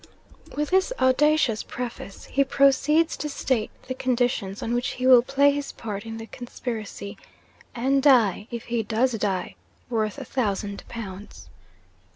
'With this audacious preface, he proceeds to state the conditions on which he will play his part in the conspiracy, and die (if he does die) worth a thousand pounds.